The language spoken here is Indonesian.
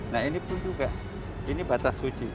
nah ini pun juga ini batas suci